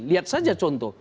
lihat saja contoh